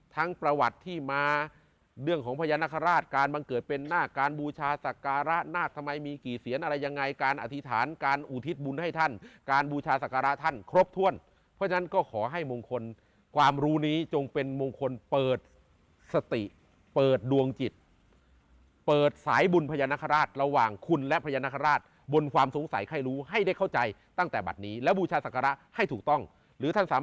ทั้งประวัติที่มาเรื่องของพญานาคาราชการบังเกิดเป็นหน้าการบูชาสักการะหน้าสมัยมีกี่เสียรอะไรยังไงการอธิษฐานการอุทิศบุญให้ท่านการบูชาสักการะท่านครบถ้วนเพราะฉะนั้นก็ขอให้มงคลความรู้นี้จงเป็นมงคลเปิดสติเปิดดวงจิตเปิดสายบุญพญานาคาราชระหว่างคุณและพญานาคาราชบนความสงสัยให้รู้ให้ได้เข